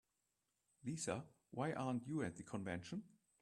Lisa, why aren't you at the convention?